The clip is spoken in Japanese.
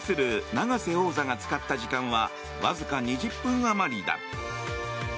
永瀬王座が使った時間はわずか２０分あまりだ。